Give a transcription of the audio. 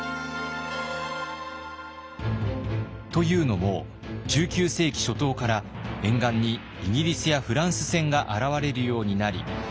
というのも１９世紀初頭から沿岸にイギリスやフランス船が現れるようになり。